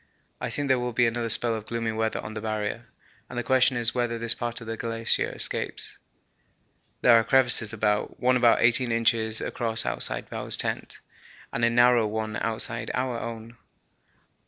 I think there will be another spell of gloomy weather on the Barrier, and the question is whether this part of the glacier escapes. There are crevasses about, one about eighteen inches across outside Bowers' tent, and a narrower one outside our own.